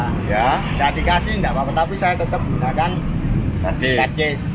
tidak dikasih tetapi saya tetap menggunakan kajis